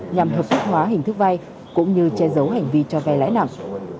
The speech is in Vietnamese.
nhằm hợp thức hóa hình thức vay cũng như che giấu hành vi cho vay lãi nặng